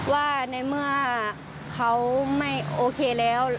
ว่าในเมื่อเขาไม่โอเคแล้ว